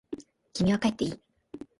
君は帰っていい。